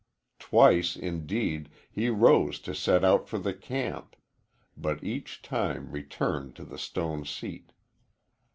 Twice, indeed, he rose to set out for the camp, but each time returned to the stone seat.